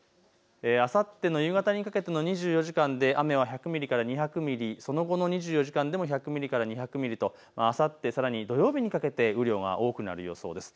あさっての夕方にかけての２４時間で雨は１００ミリから２００ミリ、その後の２４時間に１００ミリから２００ミリと、あさって、さらに土曜日にかけて雨量が多くなる予想です。